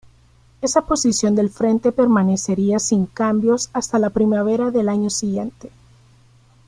Esa posición del frente permanecería sin cambios hasta la primavera del año siguiente.